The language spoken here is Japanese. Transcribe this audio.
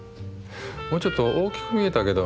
もうちょっと大きく見えたけど。